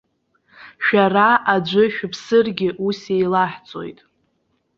Шәара аӡәы шәыԥсыргьы ус еилаҳҵоит.